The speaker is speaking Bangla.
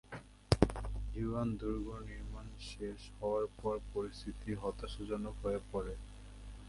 ইউয়ান দুর্গ নির্মাণ শেষ হওয়ার পর, পরিস্থিতি হতাশাজনক হয়ে পড়ে।